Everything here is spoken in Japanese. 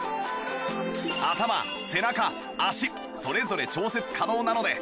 頭背中脚それぞれ調節可能なので